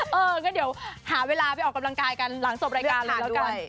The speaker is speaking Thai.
เออก็เดี๋ยวหาเวลาไปออกกำลังกายกันหลังจบรายการหน่อยแล้วกัน